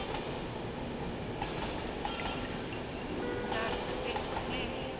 なつですね。